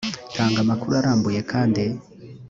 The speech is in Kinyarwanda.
tanga amakuru arambuye kandi